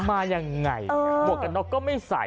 มายังไงหมวกกันน็อกก็ไม่ใส่